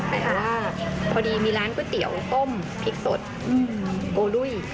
แต่ว่าพอดีมีร้านก๋วยเตี๋ยวต้มพริกสดโกลุ้ย